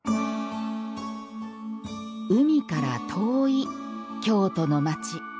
海から遠い京都の街。